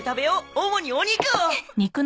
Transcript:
主にお肉を。